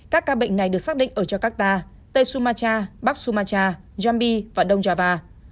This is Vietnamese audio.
các ca bệnh này được xác định ở jakarta tây sumatra bắc sumatra jambi và đông java